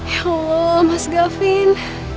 ya allah mas gavin